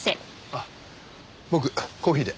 あっ僕コーヒーで。